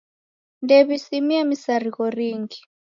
Ndew'isimie misarigho ringi.